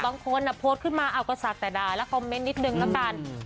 บางคนอ่ะโพสต์ขึ้นมาเอาก็สาดแต่ด่าแล้วคอมเมนต์นิดหนึ่งแล้วกันอืม